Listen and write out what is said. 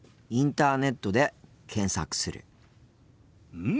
うん！